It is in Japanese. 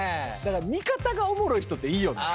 似方がおもろい人っていいよね。